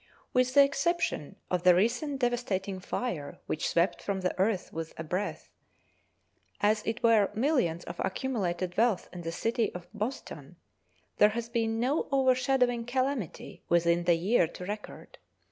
With the exception of the recent devastating fire which swept from the earth with a breath, as it were, millions of accumulated wealth in the city of Boston, there has been no overshadowing calamity within the year to record.